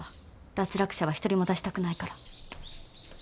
脱落者は一人も出したくないから。